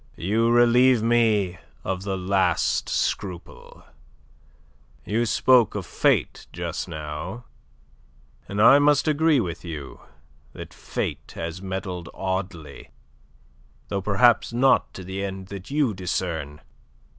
You relieve me of the last scruple. You spoke of Fate just now, and I must agree with you that Fate has meddled oddly, though perhaps not to the end that you discern.